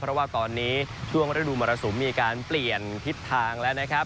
เพราะว่าตอนนี้ช่วงฤดูมรสุมมีการเปลี่ยนทิศทางแล้วนะครับ